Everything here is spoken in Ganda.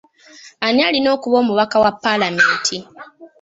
Ani alina okuba omubaka wa Paalamenti.